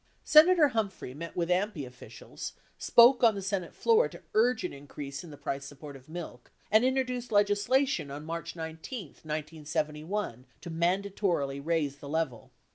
Sen ator Humphrey met with AMPI officials, spoke on the Senate floor to urge an increase in the price support of milk, and introduced legisla tion on March 19, 1971, to mandatorily raise the level.